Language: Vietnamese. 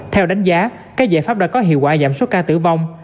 theo đánh giá các giải pháp đã có hiệu quả giảm số ca tử vong